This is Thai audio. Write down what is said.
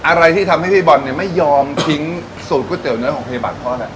อะไรที่ทำให้พี่บอลเนี่ยไม่ยอมทิ้งสูตรก๋วยเตี๋เนื้อของพยาบาลพ่อแหละ